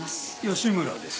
芳村です。